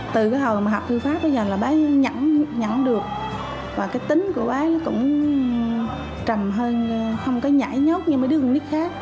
từ cái hồi mà học thư pháp bây giờ là bà ấy nhẵn được và cái tính của bà ấy cũng trầm hơn không có nhảy nhốt như mấy đứa con nhít khác